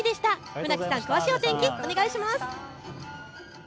船木さん詳しい天気をお願いします。